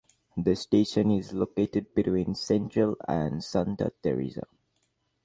The station is located between Central and Santa Tereza.